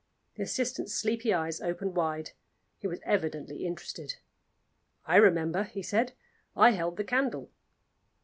The assistant's sleepy eyes opened wide; he was evidently interested. "I remember," he said. "I held the candle."